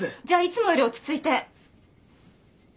じゃあいつもより落ち着いて。